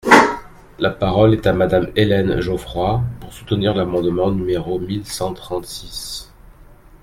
La parole est à Madame Hélène Geoffroy, pour soutenir l’amendement numéro mille cent trente-six.